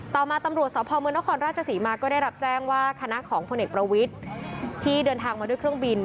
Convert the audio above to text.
ต่อมาตำรวจสพเมืองนครราชศรีมาก็ได้รับแจ้งว่าคณะของพลเอกประวิทย์ที่เดินทางมาด้วยเครื่องบิน